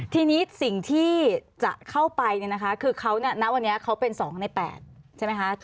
ทีนี้สิ่งที่จะเข้าไปเนี่ยนะคะคือเขาณวันนี้เขาเป็น๒ใน๘ใช่ไหมคะ